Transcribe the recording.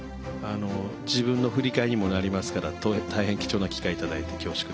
自分の振り返りにもなりますから大変貴重な機会頂いて恐縮です。